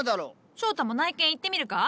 翔太も内見行ってみるか？